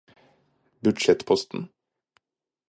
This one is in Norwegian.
budsjettposten